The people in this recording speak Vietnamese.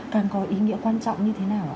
càng có ý nghĩa quan trọng như thế nào ạ